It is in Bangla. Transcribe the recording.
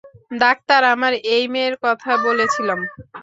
ডাক্তার, আমরা এই মেয়ের কথা বলেছিলাম।